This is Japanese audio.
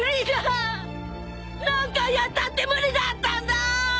何回やったって無理だったんだ！